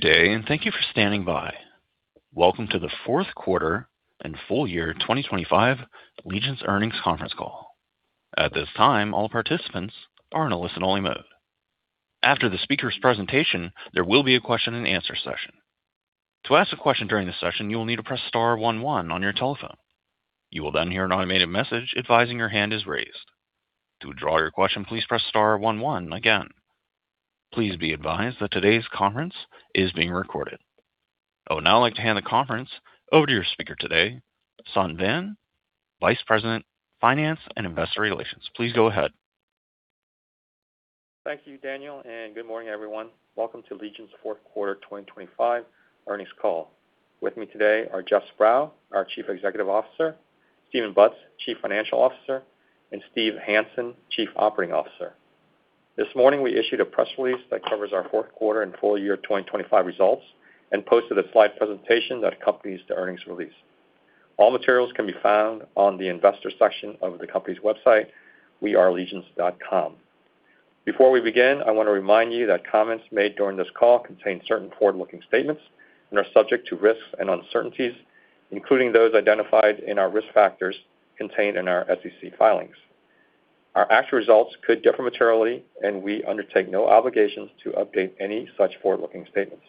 Good day. Thank you for standing by. Welcome to the Fourth Quarter and Full Year 2025 Legence Earnings Conference Call. At this time, all participants are in a listen-only mode. After the speaker's presentation, there will be a question-and-answer session. To ask a question during the session, you will need to press star one, one on your telephone. You will then hear an automated message advising that your hand is raised. To withdraw your question, please press star one, one again. Please be advised that today's conference is being recorded. I would now like to hand the conference over to your speaker today, Son Vann, Vice President, Finance and Investor Relations. Please go ahead. Thank you, Daniel, and good morning, everyone. Welcome to Legence fourth quarter 2025 earnings call. With me today are Jeff Sprau, our Chief Executive Officer, Stephen Butz, Chief Financial Officer, and Steve Hansen, Chief Operating Officer. This morning, we issued a press release that covers our fourth quarter and full year 2025 results and posted a slide presentation that accompanies the earnings release. All materials can be found on the investor section of the company's website, wearelegence.com. Before we begin, I want to remind you that comments made during this call contain certain forward-looking statements and are subject to risks and uncertainties, including those identified in our risk factors contained in our SEC filings. Our actual results could differ materially, and we undertake no obligations to update any such forward-looking statements.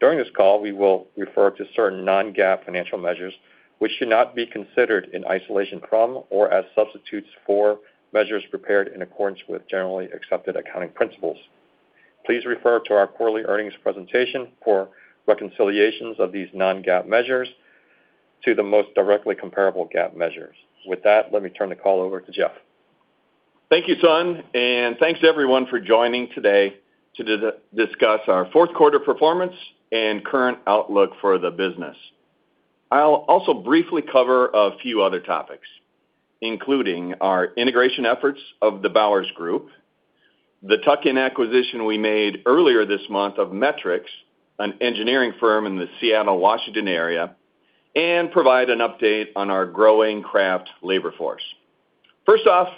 During this call, we will refer to certain non-GAAP financial measures, which should not be considered in isolation from or as substitutes for measures prepared in accordance with generally accepted accounting principles. Please refer to our quarterly earnings presentation for reconciliations of these non-GAAP measures to the most directly comparable GAAP measures. With that, let me turn the call over to Jeff. Thank you, Son, and thanks everyone for joining today to discuss our fourth quarter performance and current outlook for the business. I'll also briefly cover a few other topics, including our integration efforts of the Bowers Group, the tuck-in acquisition we made earlier this month of Metrix, an engineering firm in the Seattle, Washington area, and provide an update on our growing craft labor force. First off,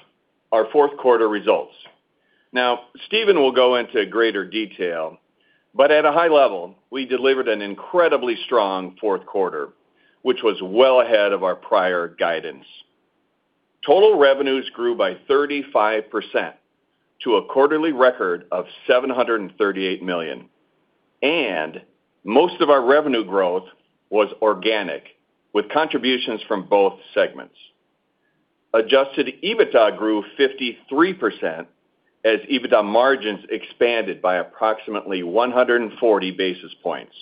our fourth quarter results. Now, Stephen will go into greater detail, but at a high level, we delivered an incredibly strong fourth quarter, which was well ahead of our prior guidance. Total revenues grew by 35% to a quarterly record of $738 million, and most of our revenue growth was organic, with contributions from both segments. Adjusted EBITDA grew 53% as EBITDA margins expanded by approximately 140 basis points.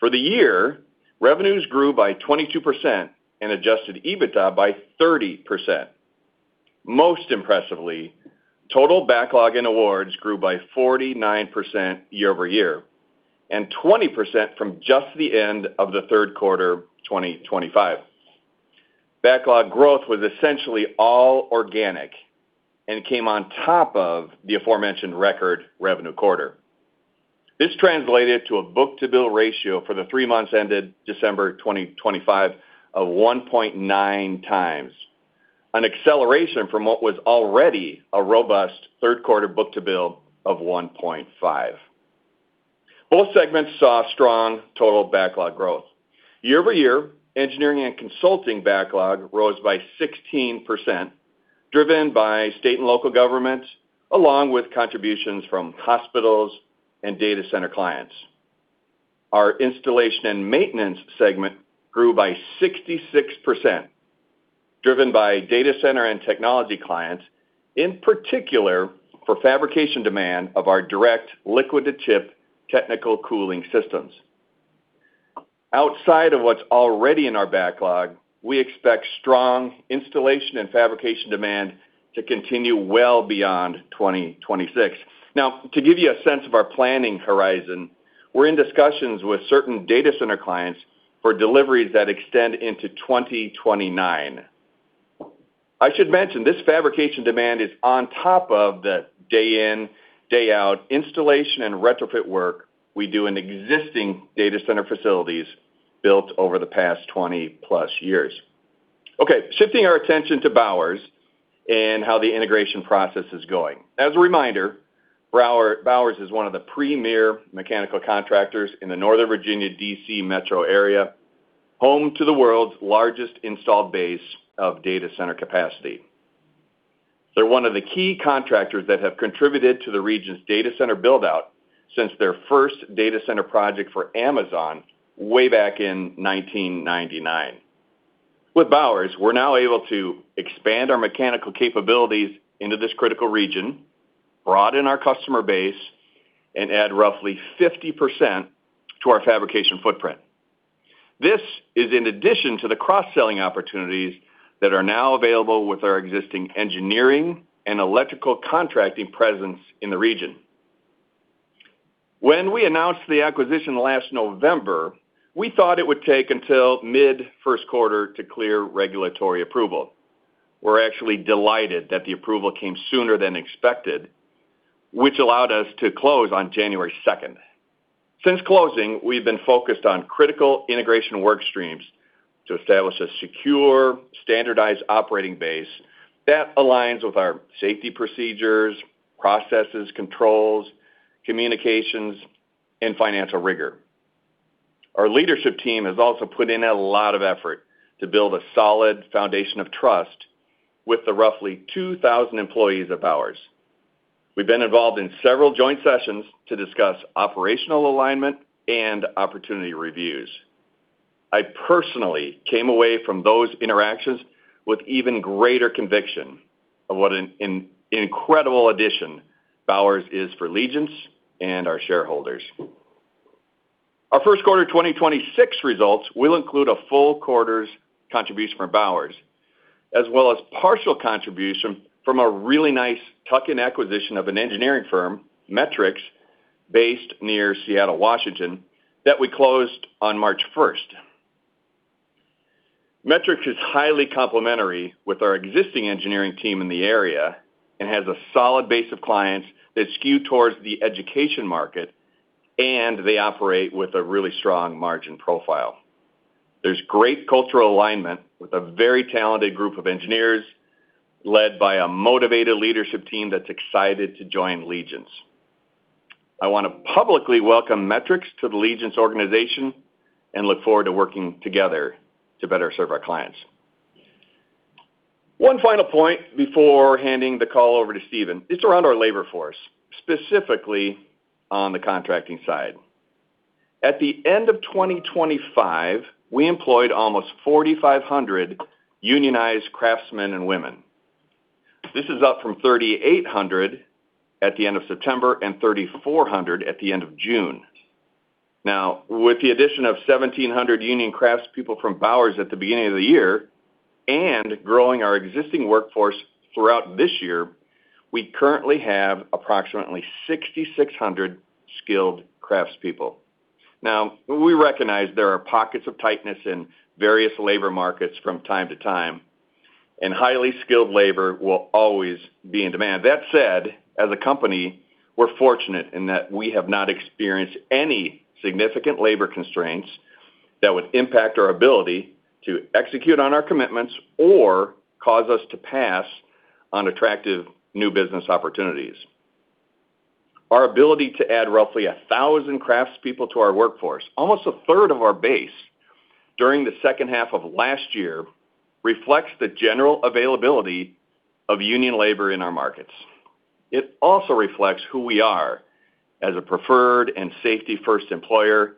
For the year, revenues grew by 22% and adjusted EBITDA by 30%. Most impressively, total backlog and awards grew by 49% year-over-year and 20% from just the end of the third quarter 2025. Backlog growth was essentially all organic and came on top of the aforementioned record revenue quarter. This translated to a book-to-bill ratio for the three months ended December 2025 of 1.9x, an acceleration from what was already a robust third quarter book-to-bill of 1.5x. Both segments saw strong total backlog growth. Year-over-year, engineering and consulting backlog rose by 16%, driven by state and local governments, along with contributions from hospitals and data center clients. Our installation and maintenance segment grew by 66%, driven by data center and technology clients, in particular for fabrication demand of our direct liquid-to-chip technical cooling systems. Outside of what's already in our backlog, we expect strong installation and fabrication demand to continue well beyond 2026. Now, to give you a sense of our planning horizon, we're in discussions with certain data center clients for deliveries that extend into 2029. I should mention this fabrication demand is on top of the day in, day out installation and retrofit work we do in existing data center facilities built over the past 20+ years. Okay, shifting our attention to Bowers and how the integration process is going. As a reminder, Bowers is one of the premier mechanical contractors in the Northern Virginia D.C. metro area, home to the world's largest installed base of data center capacity. They're one of the key contractors that have contributed to the region's data center build-out since their first data center project for Amazon way back in 1999. With Bowers, we're now able to expand our mechanical capabilities into this critical region, broaden our customer base, and add roughly 50% to our fabrication footprint. This is in addition to the cross-selling opportunities that are now available with our existing engineering and electrical contracting presence in the region. When we announced the acquisition last November, we thought it would take until mid-first quarter to clear regulatory approval. We're actually delighted that the approval came sooner than expected, which allowed us to close on January 2nd, 2026. Since closing, we've been focused on critical integration work streams to establish a secure, standardized operating base that aligns with our safety procedures, processes, controls, communications, and financial rigor. Our leadership team has also put in a lot of effort to build a solid foundation of trust with the roughly 2,000 employees of Bowers. We've been involved in several joint sessions to discuss operational alignment and opportunity reviews. I personally came away from those interactions with even greater conviction of what an incredible addition Bowers is for Legence and our shareholders. Our first quarter 2026 results will include a full quarter's contribution from Bowers, as well as partial contribution from a really nice tuck-in acquisition of an engineering firm, Metrix, based near Seattle, Washington, that we closed on March 1st, 2026. Metrix is highly complementary with our existing engineering team in the area and has a solid base of clients that skew towards the education market, and they operate with a really strong margin profile. There's great cultural alignment with a very talented group of engineers led by a motivated leadership team that's excited to join Legence. I want to publicly welcome Metrix to the Legence organization and look forward to working together to better serve our clients. One final point before handing the call over to Stephen. It's around our labor force, specifically on the contracting side. At the end of 2025, we employed almost 4,500 unionized craftsmen and women. This is up from 3,800 at the end of September and 3,400 at the end of June. Now, with the addition of 1,700 union craftspeople from Bowers at the beginning of the year and growing our existing workforce throughout this year, we currently have approximately 6,600 skilled craftspeople. We recognize there are pockets of tightness in various labor markets from time to time, and highly skilled labor will always be in demand. That said, as a company, we're fortunate in that we have not experienced any significant labor constraints that would impact our ability to execute on our commitments or cause us to pass on attractive new business opportunities. Our ability to add roughly 1,000 craftspeople to our workforce, almost a third of our base, during the second half of last year, reflects the general availability of union labor in our markets. It also reflects who we are as a preferred and safety-first employer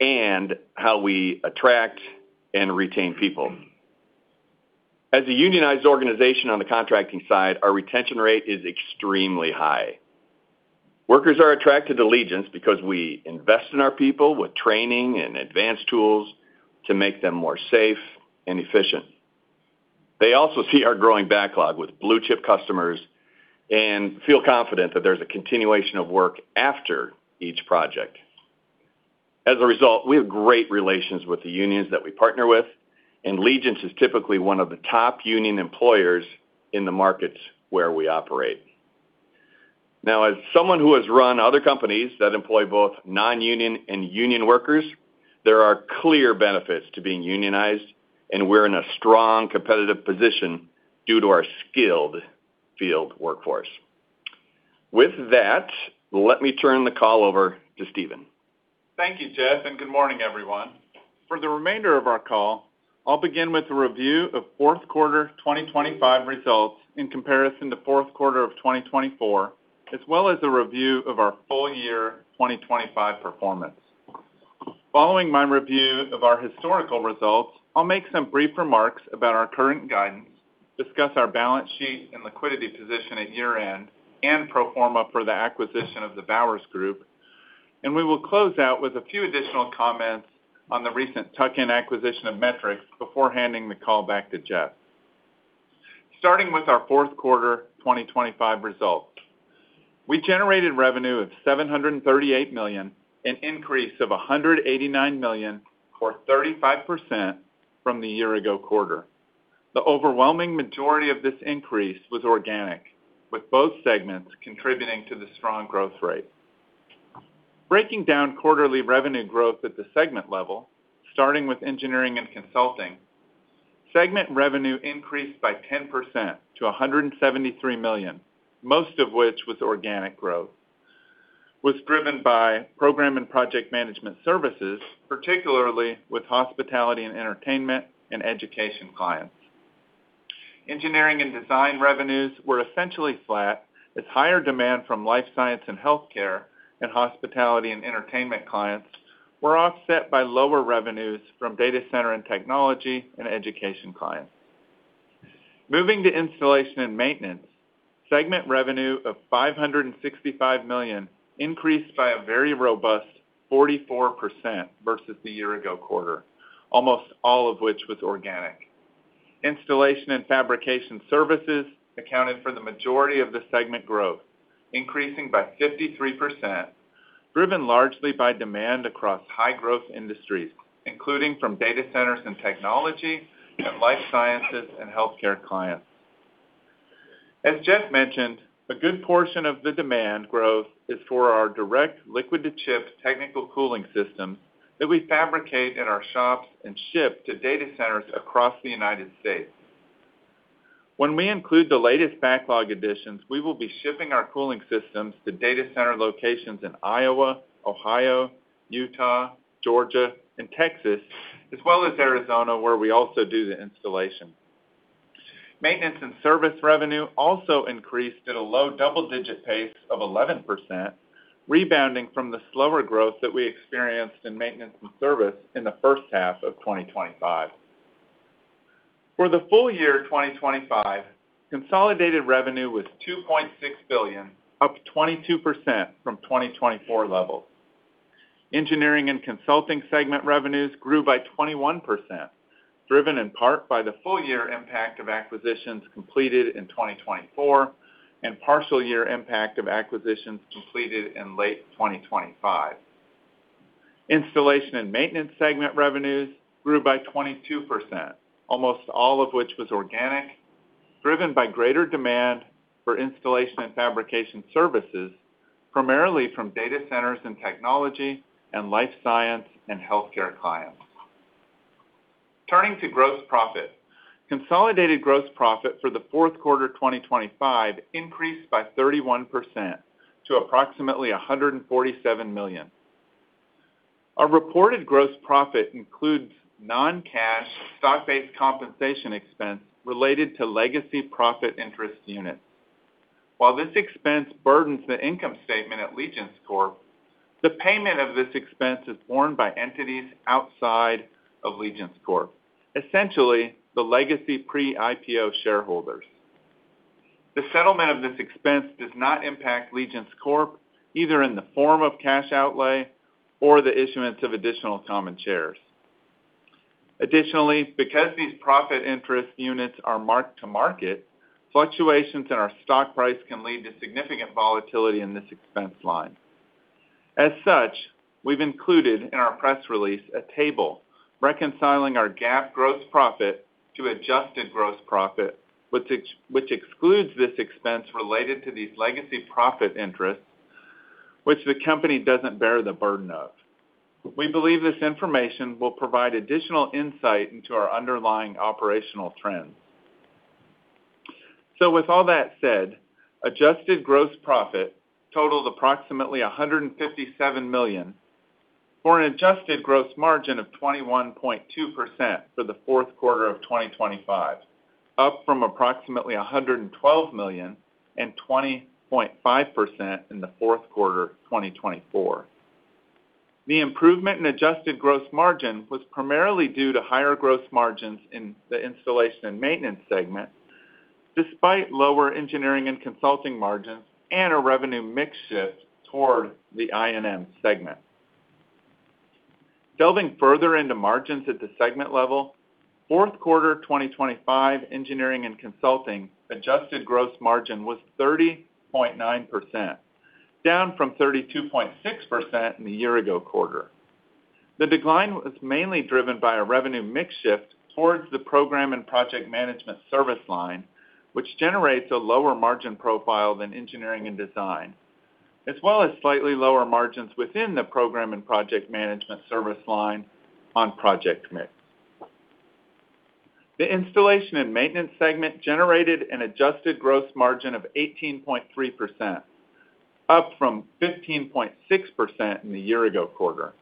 and how we attract and retain people. As a unionized organization on the contracting side, our retention rate is extremely high. Workers are attracted to Legence because we invest in our people with training and advanced tools to make them more safe and efficient. They also see our growing backlog with blue-chip customers and feel confident that there's a continuation of work after each project. As a result, we have great relations with the unions that we partner with, and Legence is typically one of the top union employers in the markets where we operate. Now, as someone who has run other companies that employ both non-union and union workers, there are clear benefits to being unionized, and we're in a strong competitive position due to our skilled field workforce. With that, let me turn the call over to Stephen. Thank you, Jeff, and good morning, everyone. For the remainder of our call, I'll begin with a review of fourth quarter 2025 results in comparison to fourth quarter of 2024, as well as a review of our full year 2025 performance. Following my review of our historical results, I'll make some brief remarks about our current guidance, discuss our balance sheet and liquidity position at year-end, and pro forma for the acquisition of The Bowers Group, and we will close out with a few additional comments on the recent tuck-in acquisition of Metrix before handing the call back to Jeff. Starting with our fourth quarter 2025 results. We generated revenue of $738 million, an increase of $189 million, or 35%, from the year ago quarter. The overwhelming majority of this increase was organic, with both segments contributing to the strong growth rate. Breaking down quarterly revenue growth at the segment level, starting with Engineering and Consulting, segment revenue increased by 10% to $173 million, most of which was organic growth, was driven by program and project management services, particularly with hospitality and entertainment and education clients. Engineering and design revenues were essentially flat as higher demand from life science and healthcare, and hospitality and entertainment clients were offset by lower revenues from data center and technology and education clients. Moving to Installation and Maintenance, segment revenue of $565 million increased by a very robust 44% versus the year ago quarter, almost all of which was organic. Installation and fabrication services accounted for the majority of the segment growth, increasing by 53%, driven largely by demand across high-growth industries, including from data centers and technology and life sciences and healthcare clients. As Jeff mentioned, a good portion of the demand growth is for our direct liquid-to-chip technical cooling system that we fabricate in our shops and ship to data centers across the United States. When we include the latest backlog additions, we will be shipping our cooling systems to data center locations in Iowa, Ohio, Utah, Georgia and Texas, as well as Arizona, where we also do the installation. Maintenance and service revenue also increased at a low double-digit pace of 11%, rebounding from the slower growth that we experienced in maintenance and service in the first half of 2025. For the full year 2025, consolidated revenue was $2.6 billion, up 22% from 2024 levels. Engineering and consulting segment revenues grew by 21%, driven in part by the full year impact of acquisitions completed in 2024 and partial year impact of acquisitions completed in late 2025. Installation and maintenance segment revenues grew by 22%, almost all of which was organic, driven by greater demand for installation and fabrication services, primarily from data centers and technology and life science and healthcare clients. Turning to gross profit. Consolidated gross profit for the fourth quarter 2025 increased by 31% to approximately $147 million. Our reported gross profit includes non-cash stock-based compensation expense related to legacy profits interest units. While this expense burdens the income statement at Legence Corp, the payment of this expense is borne by entities outside of Legence Corp, essentially the legacy pre-IPO shareholders. The settlement of this expense does not impact Legence Corp either in the form of cash outlay or the issuance of additional common shares. Additionally, because these profits interest units are marked to market, fluctuations in our stock price can lead to significant volatility in this expense line. As such, we've included in our press release a table reconciling our GAAP gross profit to adjusted gross profit, which excludes this expense related to these legacy profit interests, which the company doesn't bear the burden of. We believe this information will provide additional insight into our underlying operational trends. With all that said, adjusted gross profit totaled approximately $157 million for an adjusted gross margin of 21.2% for the fourth quarter of 2025, up from approximately $112 million and 20.5% in the fourth quarter of 2024. The improvement in adjusted gross margin was primarily due to higher gross margins in the installation and maintenance segment, despite lower engineering and consulting margins and a revenue mix shift toward the I&M segment. Delving further into margins at the segment level, fourth quarter 2025 engineering and consulting adjusted gross margin was 30.9%, down from 32.6% in the year-ago quarter. The decline was mainly driven by a revenue mix shift towards the program and project management service line, which generates a lower margin profile than engineering and design, as well as slightly lower margins within the program and project management service line on project mix. The installation and maintenance segment generated an adjusted gross margin of 18.3%, up from 15.6% in the year ago quarter.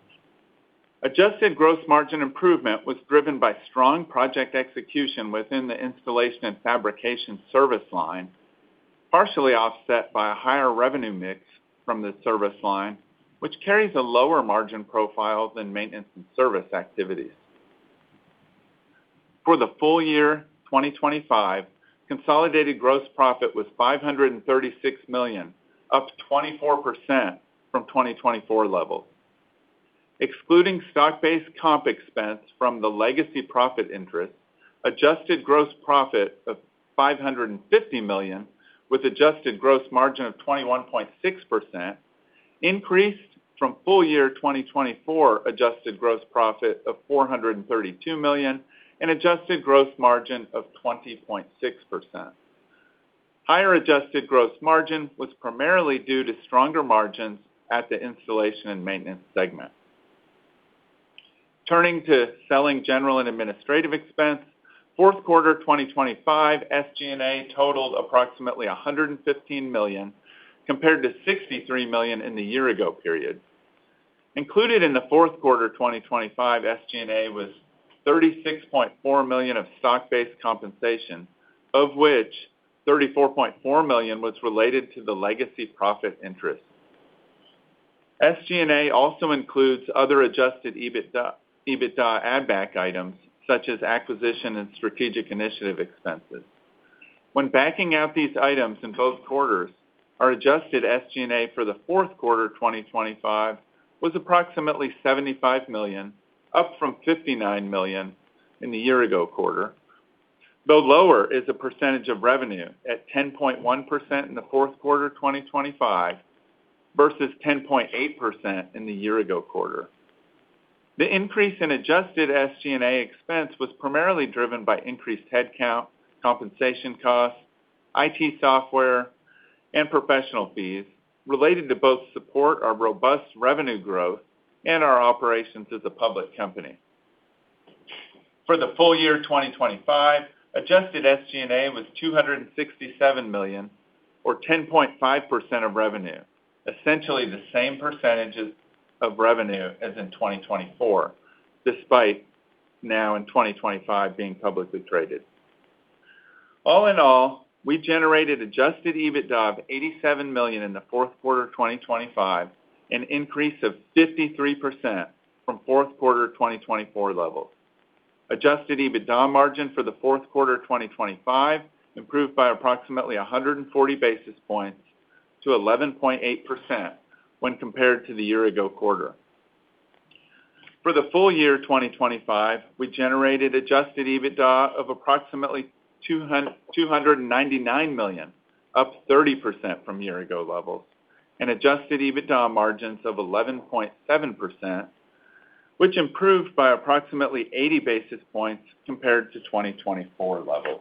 Adjusted gross margin improvement was driven by strong project execution within the installation and fabrication service line, partially offset by a higher revenue mix from the service line, which carries a lower margin profile than maintenance and service activities. For the full year 2025, consolidated gross profit was $536 million, up 24% from 2024 levels. Excluding stock-based comp expense from the legacy profit interest, adjusted gross profit of $550 million, with adjusted gross margin of 21.6%, increased from full year 2024 adjusted gross profit of $432 million and adjusted gross margin of 20.6%. Higher adjusted gross margin was primarily due to stronger margins at the installation and maintenance segment. Turning to selling, general, and administrative expense. Fourth quarter 2025 SG&A totaled approximately $115 million compared to $63 million in the year ago period. Included in the fourth quarter 2025 SG&A was $36.4 million of stock-based compensation, of which $34.4 million was related to the legacy profit interest. SG&A also includes other adjusted EBITDA add back items such as acquisition and strategic initiative expenses. When backing out these items in both quarters, our adjusted SG&A for the fourth quarter 2025 was approximately $75 million, up from $59 million in the year ago quarter, though lower as a percentage of revenue at 10.1% in the fourth quarter of 2025 versus 10.8% in the year ago quarter. The increase in adjusted SG&A expense was primarily driven by increased headcount, compensation costs, IT software, and professional fees related to both support our robust revenue growth and our operations as a public company. For the full year 2025, adjusted SG&A was $267 million or 10.5% of revenue, essentially the same percentages of revenue as in 2024, despite now in 2025 being publicly traded. All in all, we generated adjusted EBITDA of $87 million in the fourth quarter of 2025, an increase of 53% from fourth quarter 2024 levels. Adjusted EBITDA margin for the fourth quarter of 2025 improved by approximately 140 basis points to 11.8% when compared to the year-ago quarter. For the full year 2025, we generated adjusted EBITDA of approximately $299 million, up 30% from year-ago levels, and adjusted EBITDA margins of 11.7%, which improved by approximately 80 basis points compared to 2024 levels.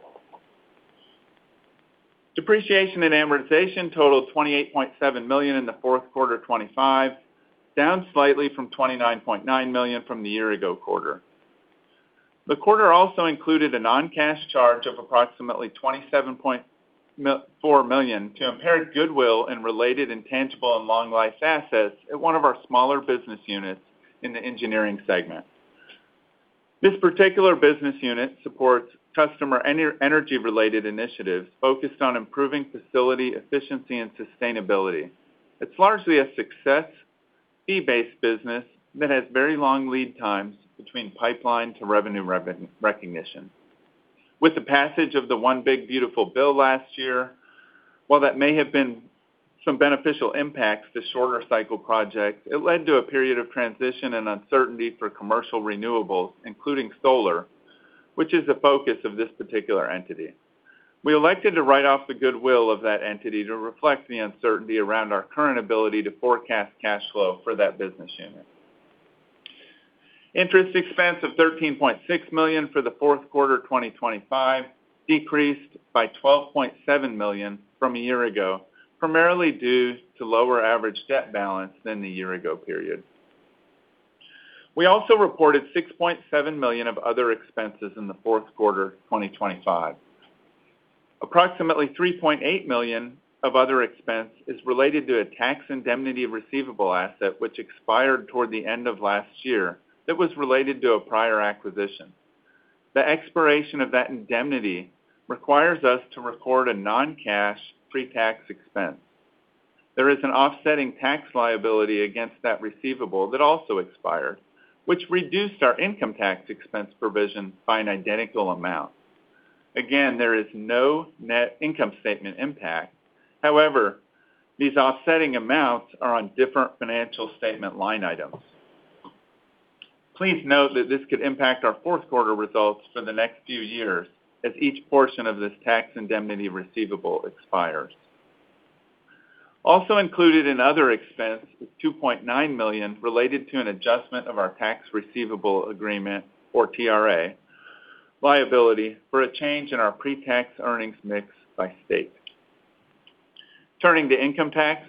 Depreciation and amortization totaled $28.7 million in the fourth quarter of 2025, down slightly from $29.9 million from the year-ago quarter. The quarter also included a non-cash charge of approximately $27.4 million to impaired goodwill and related intangible and long-lived assets at one of our smaller business units in the engineering segment. This particular business unit supports customer energy-related initiatives focused on improving facility efficiency and sustainability. It's largely a success fee-based business that has very long lead times between pipeline to revenue recognition. With the passage of the One Big Beautiful Bill last year, while that may have been some beneficial impacts to shorter cycle projects, it led to a period of transition and uncertainty for commercial renewables, including solar, which is the focus of this particular entity. We elected to write off the goodwill of that entity to reflect the uncertainty around our current ability to forecast cash flow for that business unit. Interest expense of $13.6 million for the fourth quarter of 2025 decreased by $12.7 million from a year ago, primarily due to lower average debt balance than the year ago period. We also reported $6.7 million of other expenses in the fourth quarter of 2025. Approximately $3.8 million of other expense is related to a tax indemnity receivable asset, which expired toward the end of last year that was related to a prior acquisition. The expiration of that indemnity requires us to record a non-cash pre-tax expense. There is an offsetting tax liability against that receivable that also expired, which reduced our income tax expense provision by an identical amount. Again, there is no net income statement impact. However, these offsetting amounts are on different financial statement line items. Please note that this could impact our fourth quarter results for the next few years as each portion of this tax indemnity receivable expires. Also included in other expense is $2.9 million related to an adjustment of our Tax Receivable Agreement, or TRA, liability for a change in our pre-tax earnings mix by state. Turning to income tax,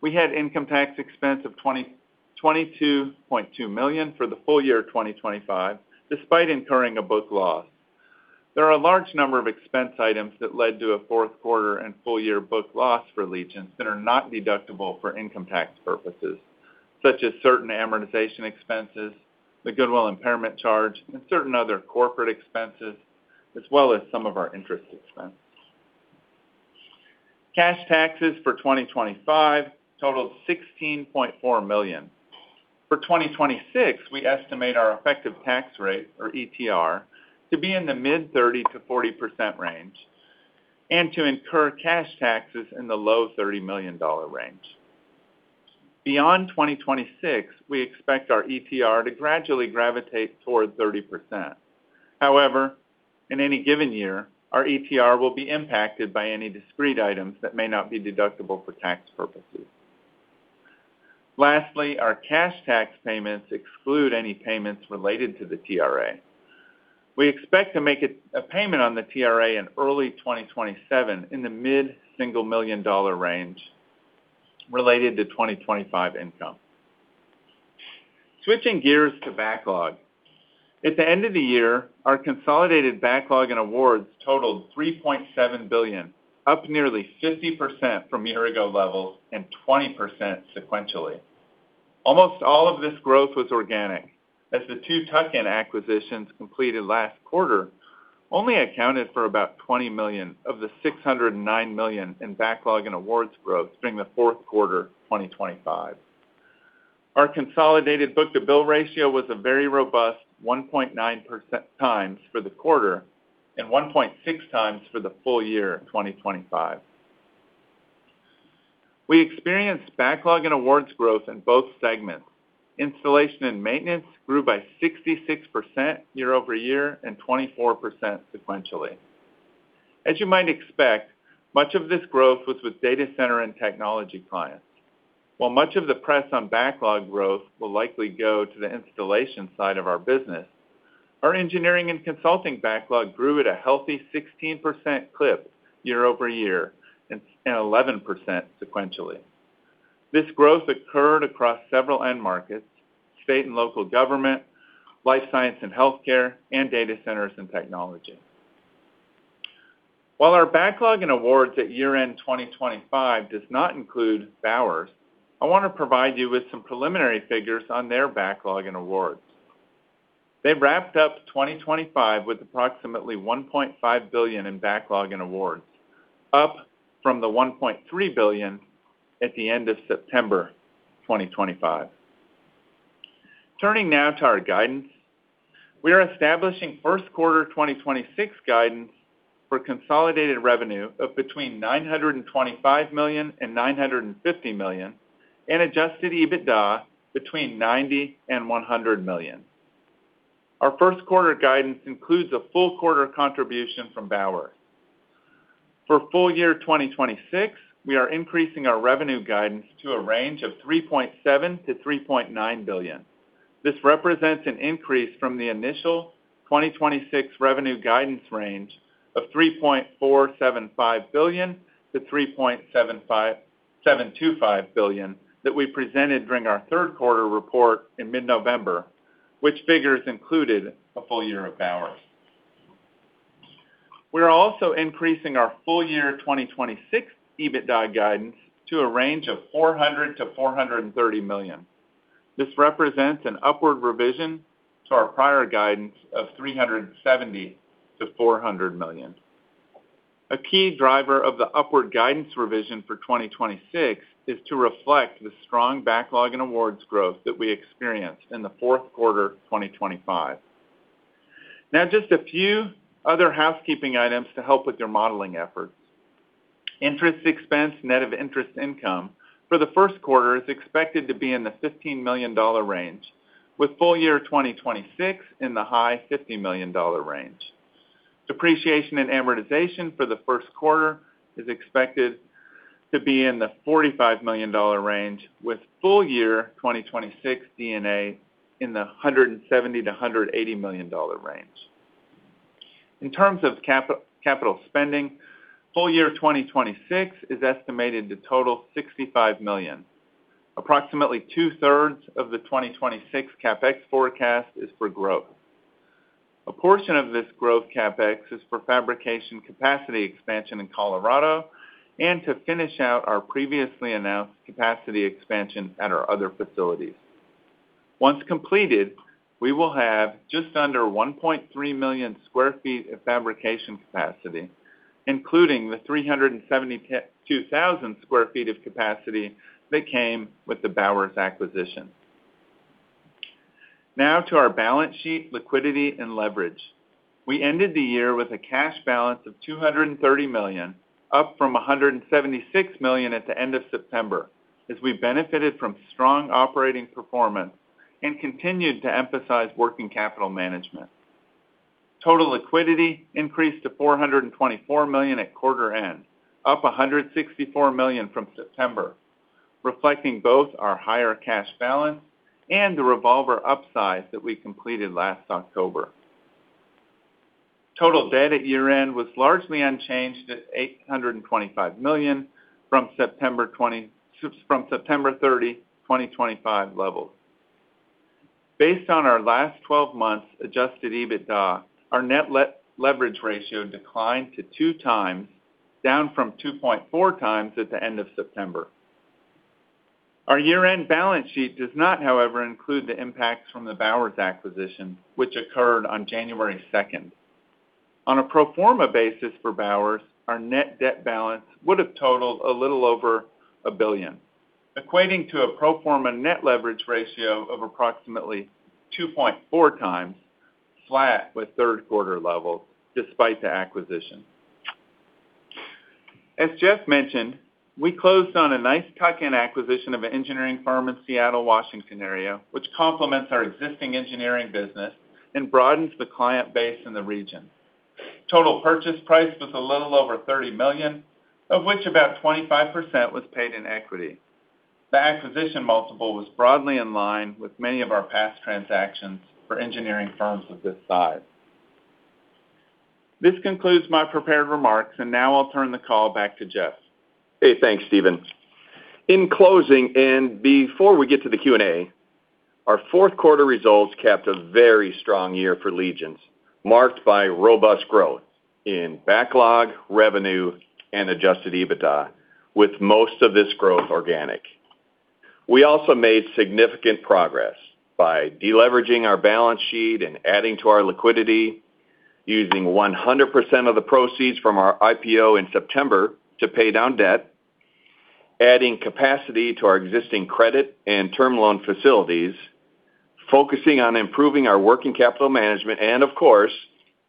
we had income tax expense of $22.2 million for the full year of 2025, despite incurring a book loss. There are a large number of expense items that led to a fourth quarter and full yearbook loss for Legence that are not deductible for income tax purposes, such as certain amortization expenses, the goodwill impairment charge, and certain other corporate expenses, as well as some of our interest expenses. Cash taxes for 2025 totaled $16.4 million. For 2026, we estimate our effective tax rate, or ETR, to be in the mid-30% to 40% range and to incur cash taxes in the low $30 million range. Beyond 2026, we expect our ETR to gradually gravitate toward 30%. However, in any given year, our ETR will be impacted by any discrete items that may not be deductible for tax purposes. Lastly, our cash tax payments exclude any payments related to the TRA. We expect to make a payment on the TRA in early 2027 in the mid-$1 million range related to 2025 income. Switching gears to backlog. At the end of the year, our consolidated backlog and awards totaled $3.7 billion, up nearly 50% from year-ago levels and 20% sequentially. Almost all of this growth was organic as the two tuck-in acquisitions completed last quarter only accounted for about $20 million of the $609 million in backlog and awards growth during the fourth quarter of 2025. Our consolidated book-to-bill ratio was a very robust 1.9x for the quarter and 1.6x for the full year of 2025. We experienced backlog and awards growth in both segments. Installation and maintenance grew by 66% year-over-year and 24% sequentially. As you might expect, much of this growth was with data center and technology clients. While much of the press on backlog growth will likely go to the installation side of our business, our engineering and consulting backlog grew at a healthy 16% clip year-over-year and 11% sequentially. This growth occurred across several end markets, state and local government, life science and healthcare, and data centers and technology. While our backlog and awards at year-end 2025 does not include Bowers, I want to provide you with some preliminary figures on their backlog and awards. They've wrapped up 2025 with approximately $1.5 billion in backlog and awards, up from the $1.3 billion at the end of September 2025. Turning now to our guidance. We are establishing first quarter 2026 guidance for consolidated revenue of between $925 million and $950 million and adjusted EBITDA between $90 million and $100 million. Our first quarter guidance includes a full quarter contribution from Bowers. For full year 2026, we are increasing our revenue guidance to a range of $3.7 billion-$3.9 billion. This represents an increase from the initial 2026 revenue guidance range of $3.475 billion-$3.725 billion that we presented during our third quarter report in mid-November, which figures included a full year of Bowers. We're also increasing our full year 2026 EBITDA guidance to a range of $400 million-$430 million. This represents an upward revision to our prior guidance of $370 million-$400 million. A key driver of the upward guidance revision for 2026 is to reflect the strong backlog and awards growth that we experienced in the fourth quarter 2025. Now just a few other housekeeping items to help with your modeling efforts. Interest expense, net of interest income, for the first quarter is expected to be in the $15 million range, with full year 2026 in the high $50 million range. Depreciation and amortization for the first quarter is expected to be in the $45 million range, with full year 2026 D&A in the $170 million-$180 million range. In terms of capital spending, full year 2026 is estimated to total $65 million. Approximately 2/3 of the 2026 CapEx forecast is for growth. A portion of this growth CapEx is for fabrication capacity expansion in Colorado and to finish out our previously announced capacity expansion at our other facilities. Once completed, we will have just under 1.3 million sq ft of fabrication capacity, including the 372,000 sq ft of capacity that came with the Bowers acquisition. Now to our balance sheet, liquidity, and leverage. We ended the year with a cash balance of $230 million, up from $176 million at the end of September, as we benefited from strong operating performance and continued to emphasize working capital management. Total liquidity increased to $424 million at quarter end, up $164 million from September, reflecting both our higher cash balance and the revolver upsize that we completed last October. Total debt at year-end was largely unchanged at $825 million from September 30, 2025 levels. Based on our last 12 months adjusted EBITDA, our net leverage ratio declined to 2x, down from 2.4x at the end of September. Our year-end balance sheet does not, however, include the impacts from the Bowers acquisition, which occurred on January 2nd, 2026. On a pro forma basis for Bowers, our net debt balance would have totaled a little over $1 billion, equating to a pro forma net leverage ratio of approximately 2.4x, flat with third quarter levels despite the acquisition. As Jeff mentioned, we closed on a nice tuck-in acquisition of an engineering firm in Seattle, Washington area, which complements our existing engineering business and broadens the client base in the region. Total purchase price was a little over $30 million, of which about 25% was paid in equity. The acquisition multiple was broadly in line with many of our past transactions for engineering firms of this size. This concludes my prepared remarks, and now I'll turn the call back to Jeff. Hey, thanks, Steven. In closing, and before we get to the Q&A, our fourth quarter results capped a very strong year for Legence, marked by robust growth in backlog, revenue, and adjusted EBITDA, with most of this growth organic. We also made significant progress by deleveraging our balance sheet and adding to our liquidity, using 100% of the proceeds from our IPO in September to pay down debt, adding capacity to our existing credit and term loan facilities, focusing on improving our working capital management, and of course,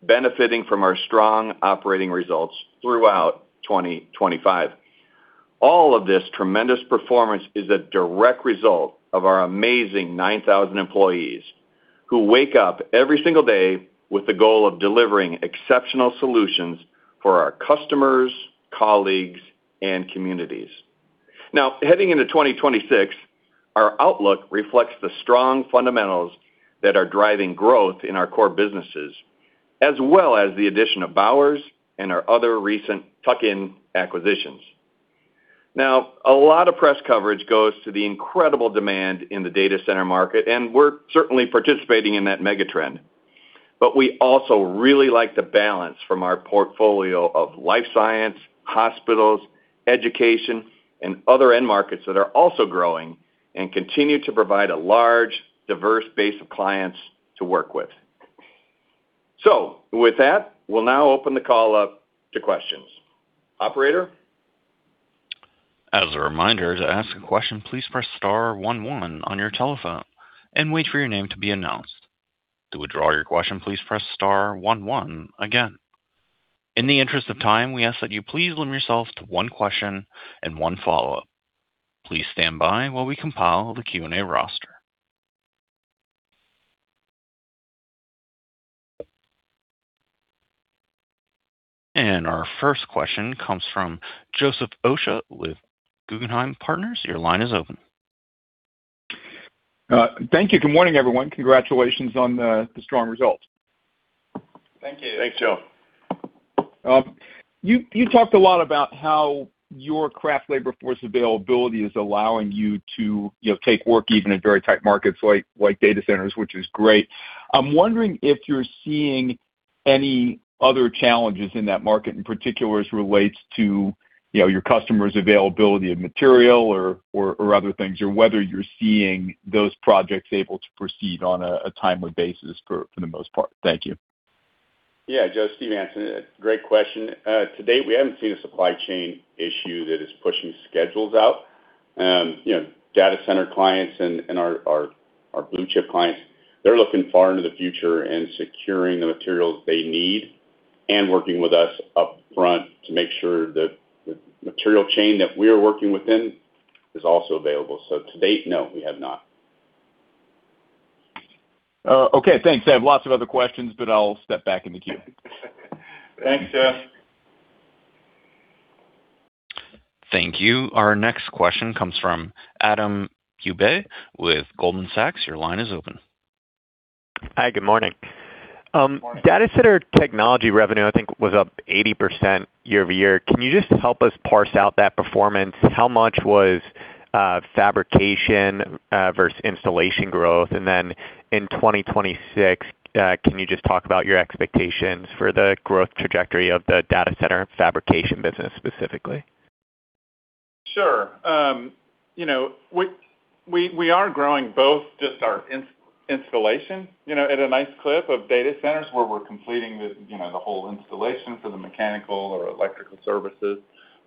benefiting from our strong operating results throughout 2025. All of this tremendous performance is a direct result of our amazing 9,000 employees who wake up every single day with the goal of delivering exceptional solutions for our customers, colleagues, and communities. Now, heading into 2026, our outlook reflects the strong fundamentals that are driving growth in our core businesses, as well as the addition of Bowers and our other recent tuck-in acquisitions. A lot of press coverage goes to the incredible demand in the data center market, and we're certainly participating in that mega trend. We also really like the balance from our portfolio of life science, hospitals, education, and other end markets that are also growing and continue to provide a large, diverse base of clients to work with. With that, we'll now open the call up to questions. Operator? As a reminder, to ask a question, please press star one, one on your telephone and wait for your name to be announced. To withdraw your question, please press star one, one again. In the interest of time, we ask that you please limit yourself to one question and one follow-up. Please stand by while we compile the Q&A roster. Our first question comes from Joseph Osha with Guggenheim Partners. Your line is open. Thank you. Good morning, everyone. Congratulations on the strong results. Thank you. Thanks, Joe. You talked a lot about how your craft labor force availability is allowing you to, you know, take work even in very tight markets like data centers, which is great. I'm wondering if you're seeing any other challenges in that market, in particular as it relates to, you know, your customers' availability of material or other things, or whether you're seeing those projects able to proceed on a timely basis for the most part. Thank you. Yeah. Joe, Steve Hansen. Great question. To date, we haven't seen a supply chain issue that is pushing schedules out. You know, data center clients and our blue-chip clients, they're looking far into the future and securing the materials they need and working with us upfront to make sure that the material chain that we are working within is also available. To date, no, we have not. Okay, thanks. I have lots of other questions, but I'll step back in the queue. Thanks, Joe. Thank you. Our next question comes from Adam Bubes with Goldman Sachs. Your line is open. Hi. Good morning. Data center technology revenue, I think, was up 80% year-over-year. Can you just help us parse out that performance? How much was fabrication versus installation growth? In 2026, can you just talk about your expectations for the growth trajectory of the data center fabrication business specifically? Sure. You know, we are growing both just our installation, you know, at a nice clip of data centers where we're completing the whole installation for the mechanical or electrical services.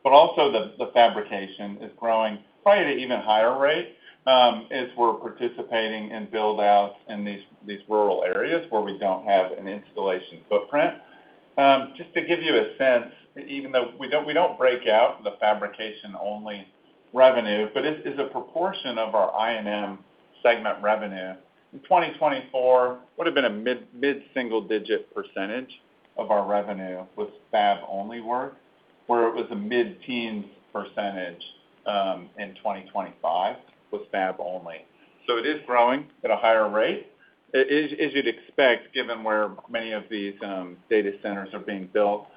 But also, the fabrication is growing probably at an even higher rate, as we're participating in buildouts in these rural areas where we don't have an installation footprint. Just to give you a sense, even though we don't break out the fabrication-only revenue, it is a proportion of our I&M segment revenue. In 2024, it would have been a mid-single-digit percentage of our revenue with fab-only work, where it was a mid-teen percentage in 2025 with fab only. It is growing at a higher rate, as you'd expect, given where many of these data centers are being built.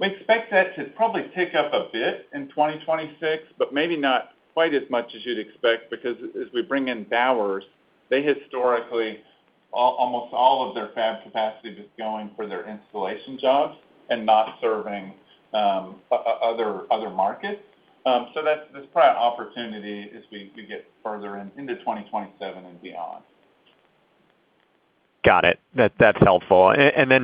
We expect that to probably tick up a bit in 2026, but maybe not quite as much as you'd expect, because as we bring in Bowers, they historically, almost all of their fab capacity is going for their installation jobs and not serving other markets. That's probably an opportunity as we get further into 2027 and beyond. Got it. That, that's helpful.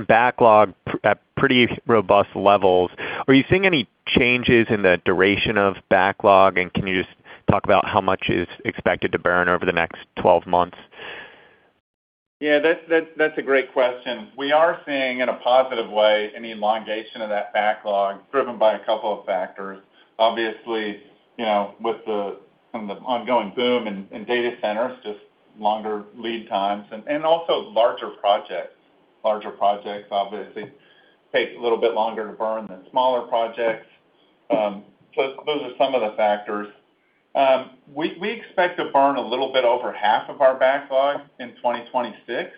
Backlog at pretty robust levels. Are you seeing any changes in the duration of backlog, and can you just talk about how much is expected to burn over the next 12 months? Yeah, that's a great question. We are seeing, in a positive way, an elongation of that backlog driven by a couple of factors. Obviously, you know, with some of the ongoing boom in data centers, just longer lead times and also larger projects. Larger projects obviously take a little bit longer to burn than smaller projects. So those are some of the factors. We expect to burn a little bit over half of our backlog in 2026.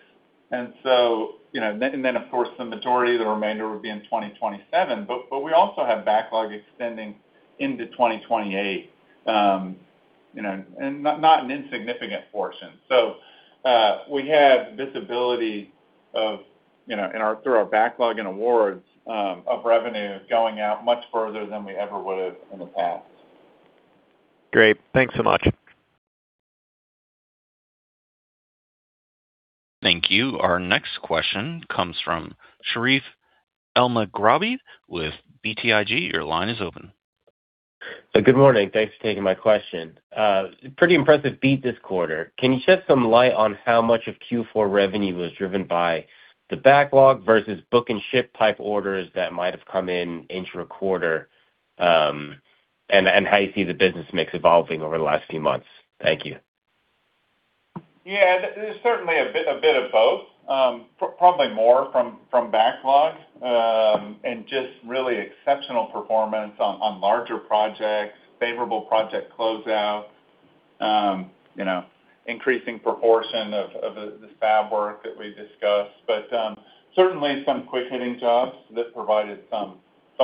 You know, then of course, the majority of the remainder would be in 2027. We also have backlog extending into 2028, you know, and not an insignificant portion. We have visibility of, you know, through our backlog and awards, of revenue going out much further than we ever would have in the past. Great. Thanks so much. Thank you. Our next question comes from Sherif Elmaghrabi with BTIG. Your line is open. Good morning. Thanks for taking my question. Pretty impressive beat this quarter. Can you shed some light on how much of Q4 revenue was driven by the backlog versus book and ship type orders that might have come in intra-quarter, and how you see the business mix evolving over the last few months? Thank you. Yeah, there's certainly a bit of both. Probably more from backlog and just really exceptional performance on larger projects, favorable project closeout, you know, increasing proportion of this fab work that we discussed. But certainly, some quick-hitting jobs that provided some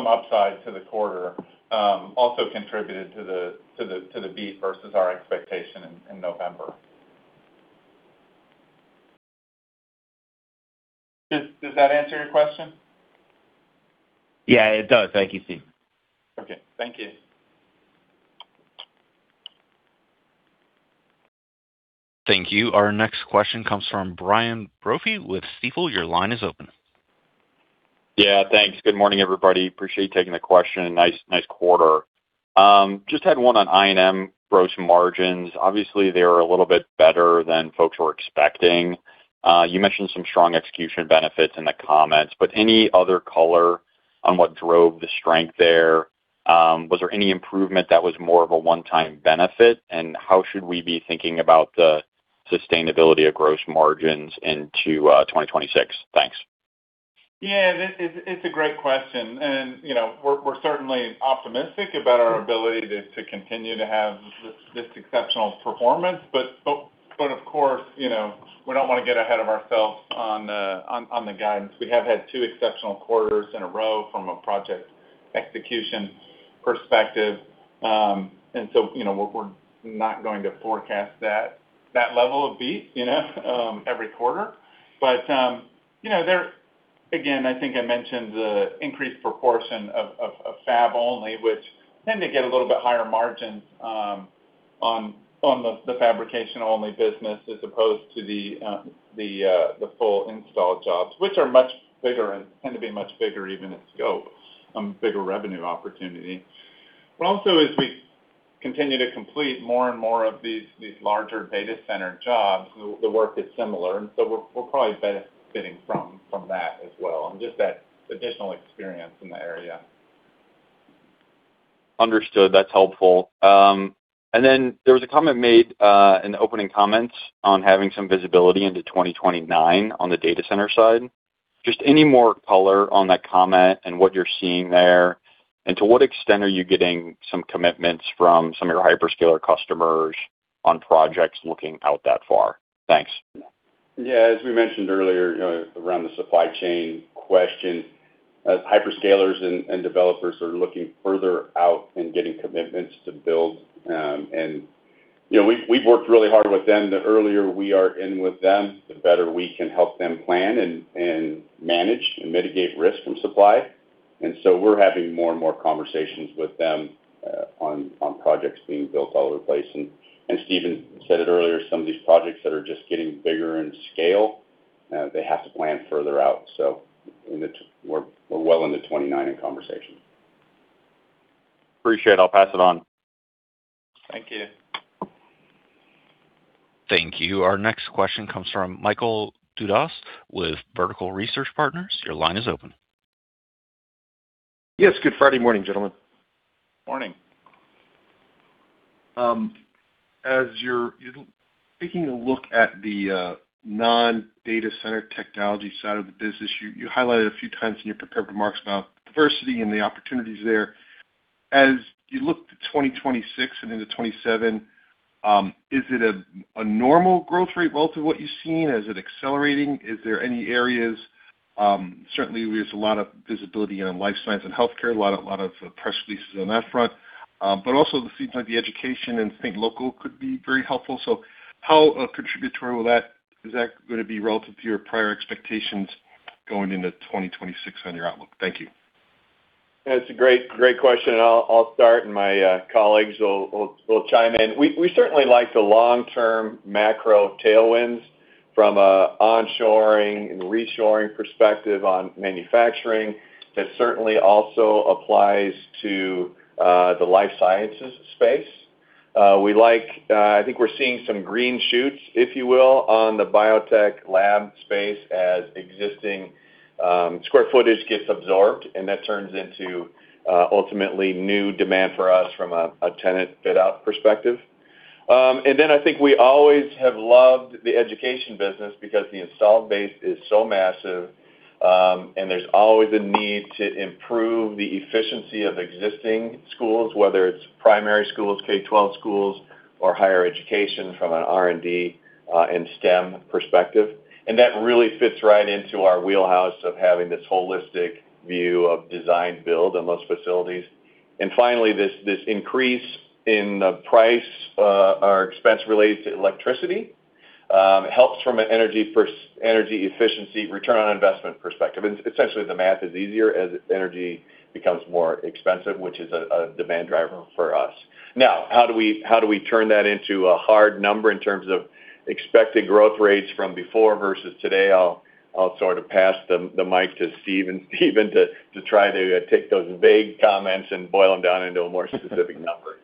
upside to the quarter also contributed to the beat versus our expectation in November. Does that answer your question? Yeah, it does. Thank you, Steve. Okay. Thank you. Thank you. Our next question comes from Brian Brophy with Stifel. Your line is open. Yeah, thanks. Good morning, everybody. Appreciate you taking the question. Nice quarter. Just had one on I&M gross margins. Obviously, they are a little bit better than folks were expecting. You mentioned some strong execution benefits in the comments, but any other color on what drove the strength there? Was there any improvement that was more of a one-time benefit? How should we be thinking about the sustainability of gross margins into 2026? Thanks. It's a great question. You know, we're certainly optimistic about our ability to continue to have this exceptional performance. But of course, you know, we don't want to get ahead of ourselves on the guidance. We have had two exceptional quarters in a row from a project execution perspective. You know, we're not going to forecast that level of beat every quarter. Again, I think I mentioned the increased proportion of fab only, which tend to get a little bit higher margin on the fabrication-only business as opposed to the full install jobs, which are much bigger and tend to be much bigger even in scope, bigger revenue opportunity. Also, as we continue to complete more and more of these larger data center jobs, the work is similar, and so we're probably benefiting from that as well, and just that additional experience in the area. Understood. That's helpful. There was a comment made, in the opening comments on having some visibility into 2029 on the data center side. Just any more color on that comment and what you're seeing there? To what extent are you getting some commitments from some of your hyperscaler customers on projects looking out that far? Thanks. Yeah. As we mentioned earlier, you know, around the supply chain question, as hyperscalers and developers are looking further out in getting commitments to build, and, you know, we've worked really hard with them. The earlier we are in with them, the better we can help them plan and manage and mitigate risk from supply. We're having more and more conversations with them on projects being built all over the place. Steven said it earlier, some of these projects that are just getting bigger in scale, they have to plan further out. We're well into 2029 in conversation. Appreciate it. I'll pass it on. Thank you. Thank you. Our next question comes from Michael Dudas with Vertical Research Partners. Your line is open. Yes. Good Friday morning, gentlemen. Morning. As you're taking a look at the non-data center technology side of the business, you highlighted a few times in your prepared remarks about diversity and the opportunities there. As you look to 2026 and into 2027, is it a normal growth rate relative to what you've seen? Is it accelerating? Is there any areas? Certainly, there's a lot of visibility on life science and healthcare, a lot of press releases on that front. But also, it seems like the education and think local could be very helpful. How contributory is that gonna be relative to your prior expectations going into 2026 on your outlook? Thank you. That's a great question. I'll start and my colleagues will chime in. We certainly like the long-term macro tailwinds from a onshoring and reshoring perspective on manufacturing. That certainly also applies to the life sciences space. I think we're seeing some green shoots, if you will, on the biotech lab space as existing square footage gets absorbed, and that turns into ultimately new demand for us from a tenant fit-out perspective. I think we always have loved the education business because the installed base is so massive, and there's always a need to improve the efficiency of existing schools, whether it's primary schools, K-12 schools, or higher education from an R&D and STEM perspective. That really fits right into our wheelhouse of having this holistic view of design build in most facilities. Finally, this increase in the price or expense related to electricity helps from an energy efficiency return on investment perspective. Essentially, the math is easier as energy becomes more expensive, which is a demand driver for us. Now, how do we turn that into a hard number in terms of expected growth rates from before versus today? I'll sort of pass the mic to Steve and Steven to try to take those vague comments and boil them down into a more specific number.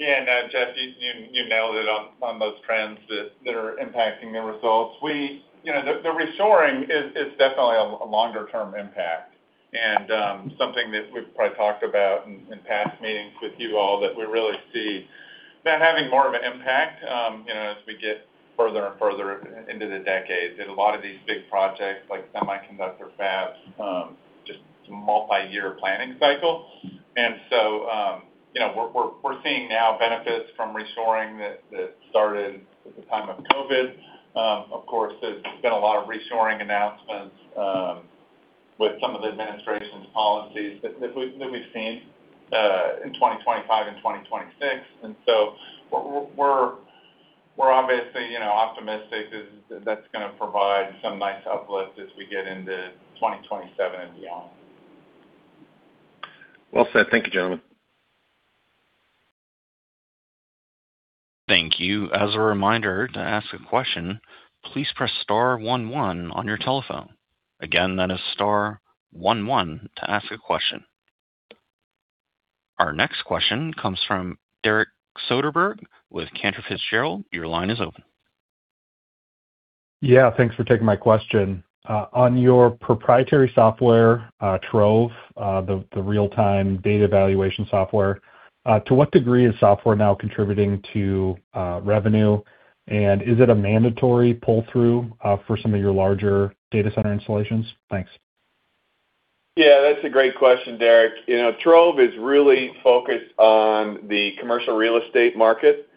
Yeah. No, Jeff, you nailed it on those trends that are impacting the results. You know, the reshoring is definitely a longer-term impact. Something that we've probably talked about in past meetings with you all that we really see that having more of an impact, you know, as we get further and further into the decade, that a lot of these big projects like semiconductor fabs just multi-year planning cycle. You know, we're seeing now benefits from reshoring that started at the time of COVID. Of course, there's been a lot of reshoring announcements with some of the administration's policies that we've seen in 2025 and 2026. We're obviously, you know, optimistic that that's gonna provide some nice uplift as we get into 2027 and beyond. Well said. Thank you, gentlemen. Thank you. As a reminder, to ask a question, please press star one one on your telephone. Again, that is star one one to ask a question. Our next question comes from Derek Soderberg with Cantor Fitzgerald. Your line is open. Yeah. Thanks for taking my question. On your proprietary software, Trove, the real-time data evaluation software, to what degree is software now contributing to revenue? Is it a mandatory pull-through for some of your larger data center installations? Thanks. Yeah, that's a great question, Derek. You know, Trove is really focused on the commercial real estate market.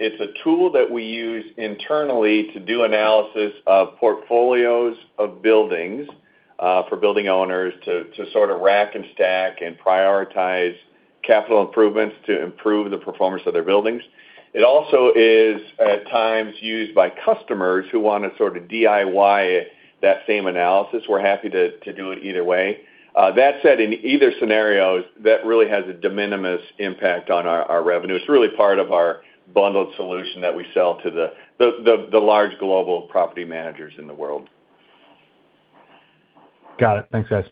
It's a tool that we use internally to do analysis of portfolios of buildings for building owners to sort of rack and stack and prioritize capital improvements to improve the performance of their buildings. It also is, at times, used by customers who want to sort of DIY that same analysis. We're happy to do it either way. That said, in either scenario, that really has a de minimis impact on our revenue. It's really part of our bundled solution that we sell to the large global property managers in the world. Got it. Thanks, guys.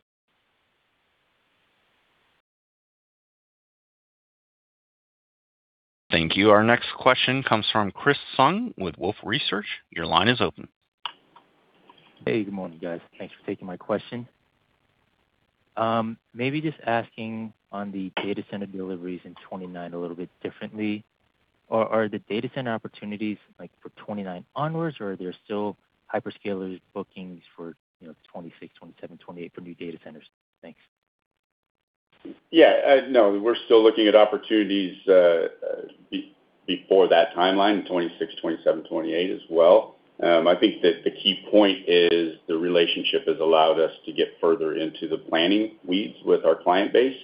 Thank you. Our next question comes from Chris Tsung with Wolfe Research. Your line is open. Hey, good morning, guys. Thanks for taking my question. Maybe just asking on the data center deliveries in 2029 a little bit differently. Are the data center opportunities like for 2029 onward, or are there still hyperscaler bookings for, you know, 2026, 2027, 2028 for new data centers? Thanks. Yeah. No, we're still looking at opportunities before that timeline, in 2026, 2027, 2028 as well. I think that the key point is the relationship has allowed us to get further into the planning weeds with our client base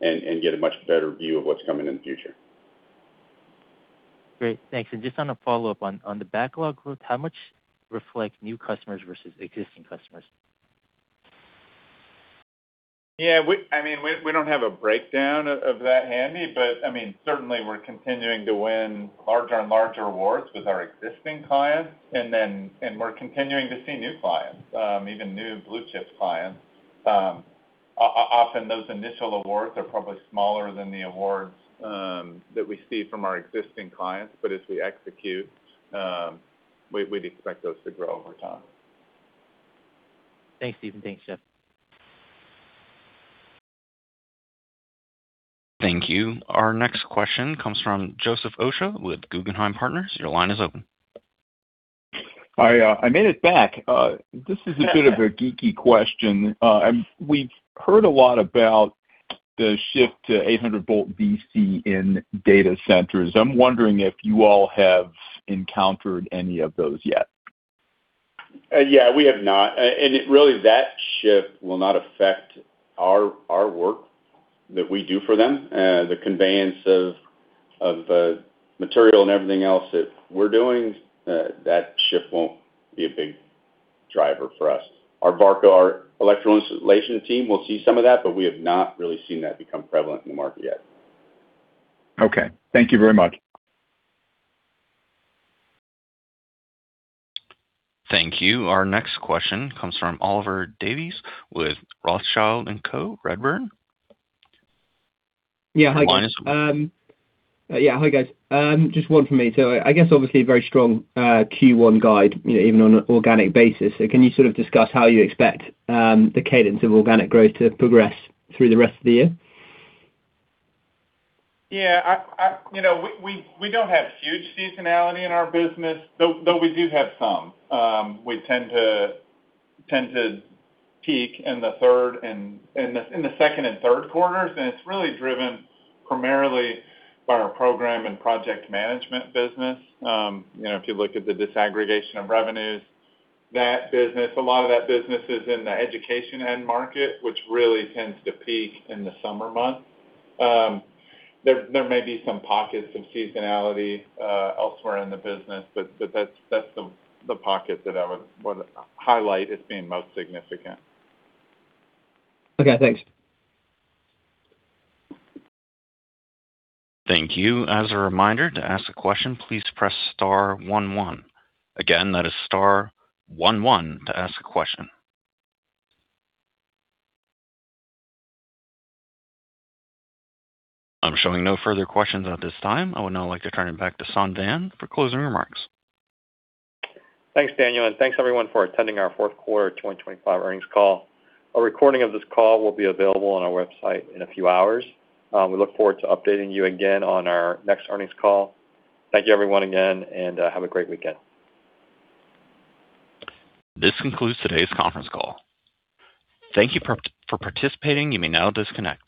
and get a much better view of what's coming in the future. Great. Thanks. Just on a follow-up, on the backlog growth, how much reflect new customers versus existing customers? Yeah, I mean, we don't have a breakdown of that handy, but I mean, certainly we're continuing to win larger and larger awards with our existing clients. We're continuing to see new clients, even new blue-chip clients. Often those initial awards are probably smaller than the awards that we see from our existing clients. As we execute, we'd expect those to grow over time. Thanks, Stephen. Thanks, Jeff. Thank you. Our next question comes from Joseph Osha with Guggenheim Partners. Your line is open. I made it back. This is a bit of a geeky question. We've heard a lot about the shift to 800 volts DC in data centers. I'm wondering if you all have encountered any of those yet. Yeah, we have not. Really, that shift will not affect our work that we do for them. The conveyance of material and everything else that we're doing, that shift won't be a big driver for us. Our Barcol, our electrical installation team will see some of that, but we have not really seen that become prevalent in the market yet. Okay. Thank you very much. Thank you. Our next question comes from Oliver Davies with Rothschild & Co Redburn. Yeah... Hi, guys. Your line is open. Yeah. Hi, guys. Just one for me. I guess obviously a very strong Q1 guide, you know, even on an organic basis. Can you sort of discuss how you expect the cadence of organic growth to progress through the rest of the year? Yeah. You know, we don't have huge seasonality in our business, though we do have some. We tend to peak in the second and third quarters, and it's really driven primarily by our program and project management business. You know, if you look at the disaggregation of revenues, that business, a lot of that business is in the education end market, which really tends to peak in the summer months. There may be some pockets of seasonality elsewhere in the business, but that's the pocket that I would highlight as being most significant. Okay, thanks. Thank you. As a reminder, to ask a question, please press star one, one. Again, that is star one, one to ask a question. I'm showing no further questions at this time. I would now like to turn it back to Son Vann for closing remarks. Thanks, Daniel. Thanks everyone for attending our fourth quarter 2025 earnings call. A recording of this call will be available on our website in a few hours. We look forward to updating you again on our next earnings call. Thank you everyone again and have a great weekend. This concludes today's conference call. Thank you for participating. You may now disconnect.